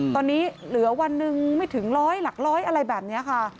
ตอนนี้เหลือวันหนึ่งไม่ถึงร้อยหลักร้อยอะไรแบบนี้ค่ะ